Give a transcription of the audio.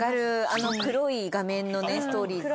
あの黒い画面のねストーリーズ。